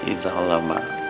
insya allah mak